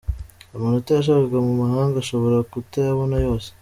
Amanota yashakaga mu mahanga ashobora kutayabona yose.